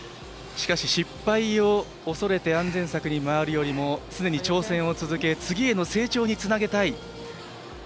しかし、失敗を恐れて安全策に回るよりも常に挑戦を続け次への成長につなげたい。